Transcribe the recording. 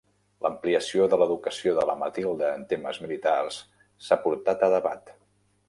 L'ampliació de l'educació de la Matilda en temes militars s'ha portat a debat.